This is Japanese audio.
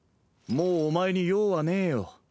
もうお前に用はねえよ。